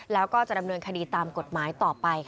แล้วก็จะดำเนินคดีตามกฎหมายต่อไป